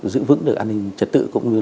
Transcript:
giữ vững được an ninh trật tự